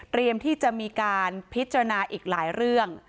ที่จะมีการพิจารณาอีกหลายเรื่อง